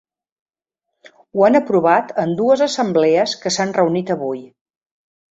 Ho han aprovat en dues assemblees que s’han reunit avui.